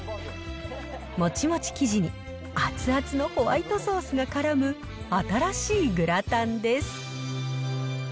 もちもち生地に、熱々のホワイトソースがからむ新しいグラタンです。